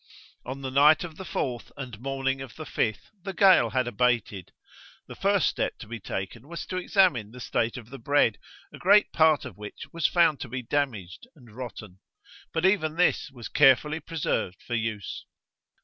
On the night of the 4th and morning of the 5th, the gale had abated; the first step to be taken was to examine the state of the bread, a great part of which was found to be damaged and rotten but even this was carefully preserved for use.